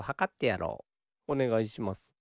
おねがいします。